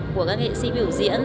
của các nghệ sĩ biểu diễn